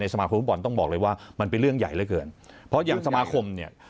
สมาคมฟุตบอลต้องบอกเลยว่ามันเป็นเรื่องใหญ่เหลือเกินเพราะอย่างสมาคมเนี่ย